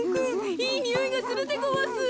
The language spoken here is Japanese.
いいにおいがするでごわす。